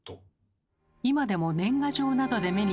今でも年賀状などで目にする「奉賀」。